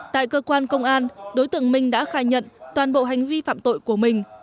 tại cơ quan công an đối tượng minh đã khai nhận toàn bộ hành vi phạm tội của mình